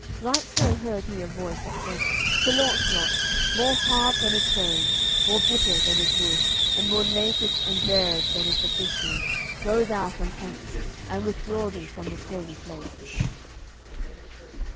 Right so heard he a voice that said: "Sir Launcelot, more hard than is stone, more bitter than is wood, and more naked and barer than is the fig tree, go thou from hence, and withdraw thee from this holy place."